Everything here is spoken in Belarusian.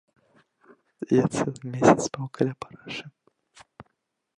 Я цэлы месяц спаў каля парашы.